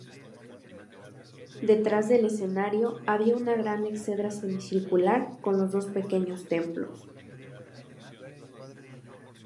Detrás del escenario había una gran exedra semicircular con los dos pequeños templos.